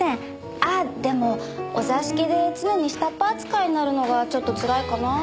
あっでもお座敷で常に下っ端扱いになるのがちょっとつらいかな。